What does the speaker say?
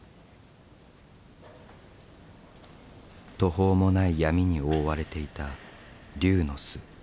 途方もない闇に覆われていた龍の巣。